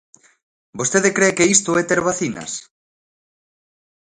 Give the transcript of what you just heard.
¿Vostede cre que isto é ter vacinas?